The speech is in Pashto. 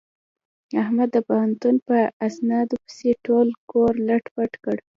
احمد د پوهنتون په اسنادونو پسې ټول کور لت پت کړ.